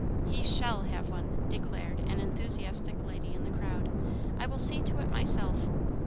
"He shall have one!" declared an enthusiastic lady in the crowd. "I will see to it myself."